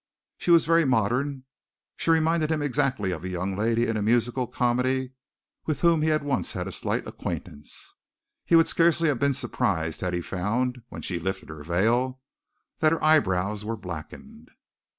She was very modern she reminded him exactly of a young lady in a musical comedy with whom he had once had a slight acquaintance. He would scarcely have been surprised had he found, when she lifted her veil, that her eyebrows were blackened.